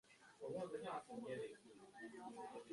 当我把手机语言设置成英文，整个手机都干净了